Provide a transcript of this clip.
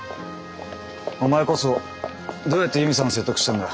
お前こそどうやって悠美さんを説得したんだ？